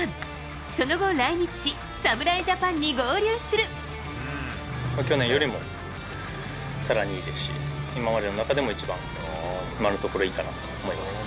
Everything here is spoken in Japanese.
その後、来日し、侍ジャパンに合去年よりもさらにいいですし、今までの中でも一番、今のところいいかなと思います。